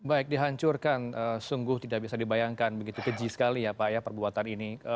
baik dihancurkan sungguh tidak bisa dibayangkan begitu keji sekali ya pak ya perbuatan ini